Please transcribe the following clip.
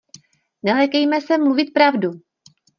Nelekejme se mluvit pravdu.